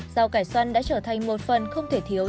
rau cải xoăn đã trở thành một phần không thể thiếu